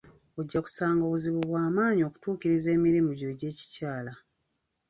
Ojja kusanga obuzibu bwa maanyi okutuukiriza emirimu gyo egyekikyala.